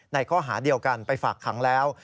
ข้อหาเดียวกันไปฝากขังแล้ว